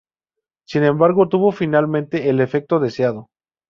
Sin embargo, tuvo finalmente el efecto deseado.